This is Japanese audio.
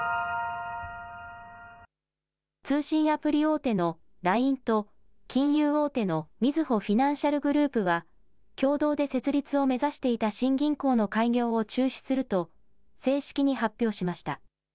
通信アプリ大手のＬＩＮＥと金融大手のみずほフィナンシャルグループは共同で設立を目指していた新銀行の開業を中止すると正式に発表しました。